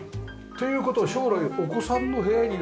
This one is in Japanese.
という事は将来お子さんの部屋になる可能性が？